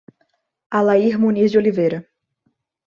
Alair Muniz de Oliveira